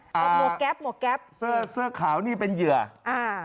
หมวกแก๊ปหมวกแก๊ปเสื้อเสื้อขาวนี่เป็นเหยื่ออ่า